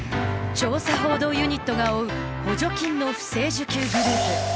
調査報道ユニットが追う補助金の不正受給グループ。